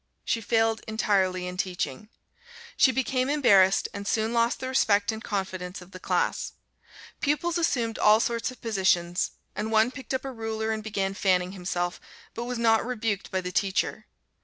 She failed entirely in teaching. She became embarrassed, and soon lost the respect and confidence of the class. Pupils assumed all sorts of positions; and one picked up a ruler and began fanning himself, but was not rebuked by the teacher.